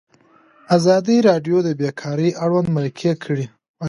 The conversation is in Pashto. ازادي راډیو د بیکاري اړوند مرکې کړي.